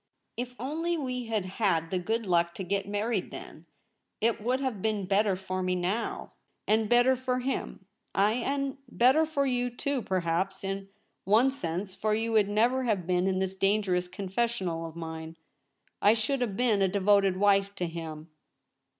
If only we had had the good luck to get married then, it would have been better for me now, and better for him — aye, and better for you too, perhaps, in one sense, for you would never have been in 238 THE REBEL ROSE. this daneerous confessional of mine. I should have been a devoted wife to him.'